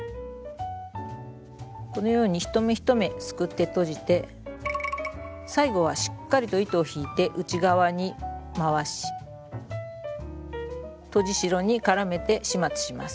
このように一目一目すくってとじて最後はしっかりと糸を引いて内側に回しとじ代に絡めて始末します。